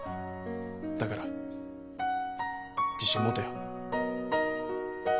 だから自信持てよ。